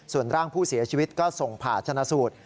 ส่วนร่างผู้เสียชีวิตก็ส่งผ่าชนะสูตร